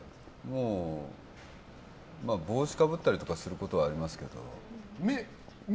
帽子かぶったりすることはありますけど。